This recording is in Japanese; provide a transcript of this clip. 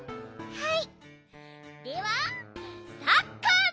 はい！